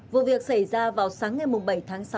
vụ việc xảy ra vào sáng ngày bảy tháng sáu